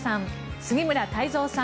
杉村太蔵さん